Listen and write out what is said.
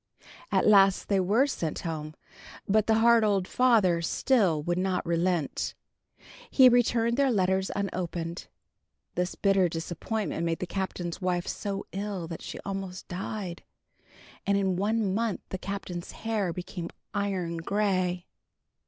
At last they were sent home. But the hard old father still would not relent. He returned their letters unopened. This bitter disappointment made the Captain's wife so ill that she almost died, and in one month the Captain's hair became iron gray.